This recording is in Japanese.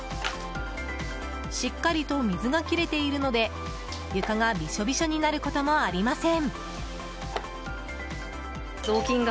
しっかりと水が切れているので床がびしょびしょになることもありません。